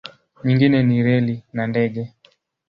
Nyingine ni reli na ndege.